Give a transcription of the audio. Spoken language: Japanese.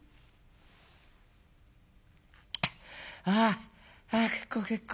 「ああ結構結構。